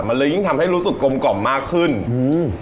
มันเลยยิ่งทำให้รู้สึกกลมกล่อมมากขึ้นอืม